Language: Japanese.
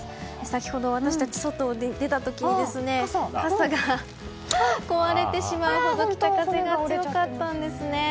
先ほど私たち外に出た時に傘が壊れてしまうほど北風が強かったんです。